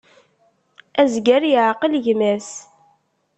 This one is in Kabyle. Azger yeɛqel gma-s.